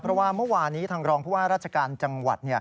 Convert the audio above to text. เพราะว่าเมื่อวานี้ทางรองผู้ว่าราชการจังหวัด